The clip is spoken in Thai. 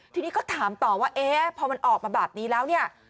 ทีนี้ก็ถามต่อว่าเอ๊ะพอมันออกมาแบบนี้แล้วเนี่ย